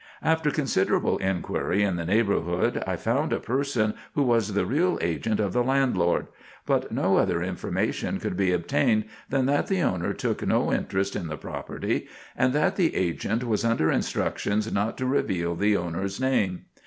[Sidenote: The Unknown Owner] After considerable inquiry in the neighborhood I found a person who was the real agent of the landlord; but no other information could be obtained than that the owner took no interest in the property, and that the agent was under instructions not to reveal the owner's name.